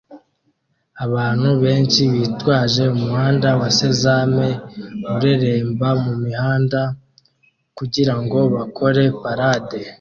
Abantu benshi bitwaje umuhanda wa sesame ureremba mumihanda kugirango bakore parade